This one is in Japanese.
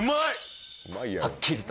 はっきりと。